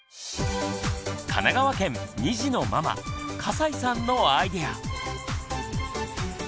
神奈川県２児のママ笠井さんのアイデア。